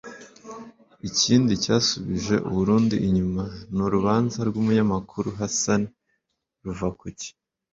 Ikindi cyasubije u Burundi inyuma ni urubanza rw’umunyamakuru Hassan Ruvakuki